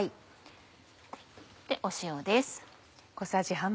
塩です。